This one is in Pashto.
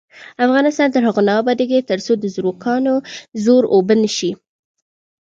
افغانستان تر هغو نه ابادیږي، ترڅو د زورواکانو زور اوبه نشي.